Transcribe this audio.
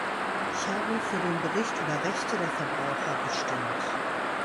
Ich habe für den Bericht über Rechte der Verbraucher gestimmt.